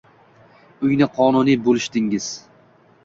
Uyni qonuniy bo’lishdingiz.